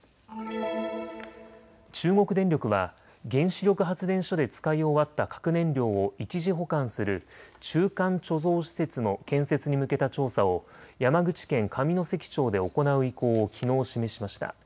中国電力は原子力発電所で使い終わった核燃料を一時保管する中間貯蔵施設の建設に向けた調査を山口県上関町で行う意向をきのう示しました。